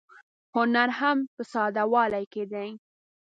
هنر هم په ساده والي کې دی.